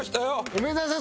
梅沢さん